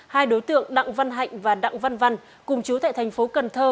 hai đối tượng đặng văn hạnh và đặng văn văn cùng chú tại thành phố cần thơ